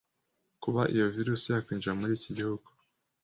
kuba iyo virusi yakwinjira muri iki gihugu.